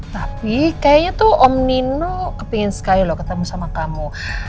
tapi kayaknya tuh om nino kepingin sekali loh ketemu sama kamu